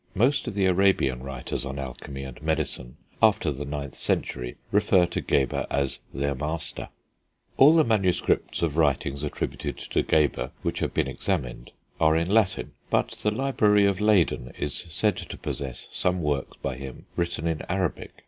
Most of the Arabian writers on alchemy and medicine, after the 9th century, refer to Geber as their master. All the MSS. of writings attributed to Geber which have been examined are in Latin, but the library of Leyden is said to possess some works by him written in Arabic.